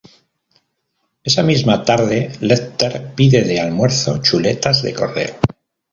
Esa misma tarde, Lecter pide de almuerzo chuletas de cordero.